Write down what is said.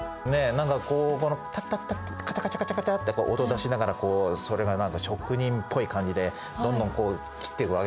何かこうタッタッタッタッカチャカチャカチャカチャって音を出しながらそれが職人っぽい感じでどんどん切っていくわけですよ。